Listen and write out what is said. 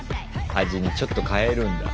味にちょっと変えるんだ。